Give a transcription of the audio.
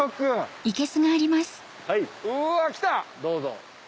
はい。